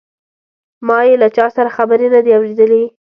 ما یې له چا سره خبرې نه دي اوریدلې.